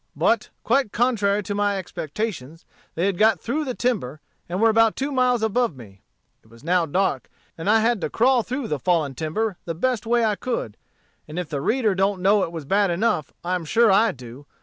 But, quite contrary to my expectations, they had got through the timber, and were about two miles above me. It was now dark, and I had to crawl through the fallen timber the best way I could; and if the reader don't know it was bad enough, I am sure I do.